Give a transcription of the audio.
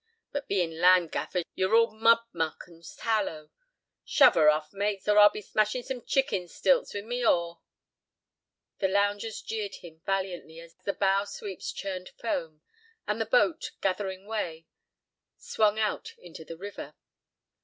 But being land gaffers, you're all mud muck and tallow. Shove her off, mates, or I'll be smashing some chicken's stilts with my oar." The loungers jeered him valiantly as the bow sweeps churned foam, and the boat, gathering weigh, swung out into the river.